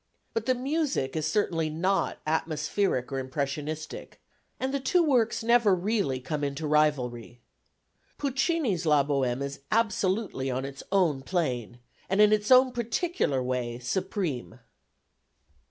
But the music is certainly not atmospheric nor impressionistic, and the two works never really come into rivalry. Puccini's La Bohème is absolutely on its own plane, and in its own particular way supreme.